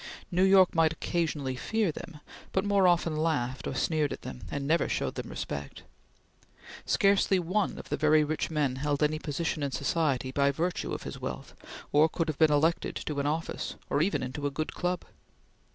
New York might occasionally fear them, but more often laughed or sneered at them, and never showed them respect. Scarcely one of the very rich men held any position in society by virtue of his wealth, or could have been elected to an office, or even into a good club.